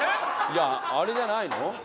いやあれじゃないの？